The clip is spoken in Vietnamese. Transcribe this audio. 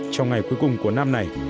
trong ngày cuối cùng của năm này